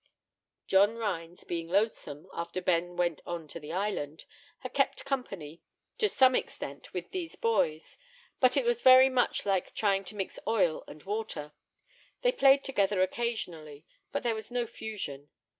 John Rhines, being lonesome, after Ben went on to the island, had kept company to some extent with these boys; but it was very much like trying to mix oil and water; they played together occasionally, but there was no fusion.